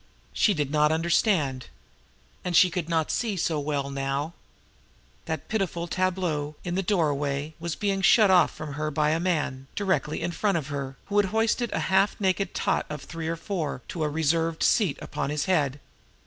She did not understand. And she could not see so well now. That pitiful tableau in the doorway was being shut out from her by a man, directly in front of her, who had hoisted a half naked tot of three or four to a reserved seat upon his head.